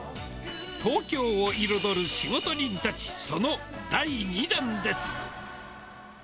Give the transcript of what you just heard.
東京を彩る仕事人たち、その第２弾です。